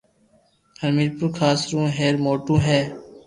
ھير مير پور خاص رو موٽو ھي